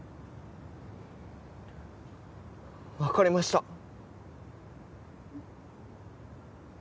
わかりました。